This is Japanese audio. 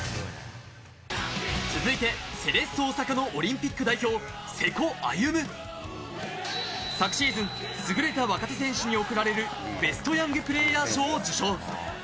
続いて、セレッソ大阪のオリンピック代表、瀬古歩夢。昨シーズンすぐれた若手選手に贈られる、ベストヤングプレーヤー賞を受賞。